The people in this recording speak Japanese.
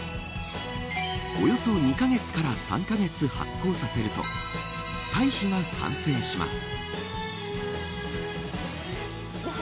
およそ２カ月から３カ月発酵させると堆肥が完成します。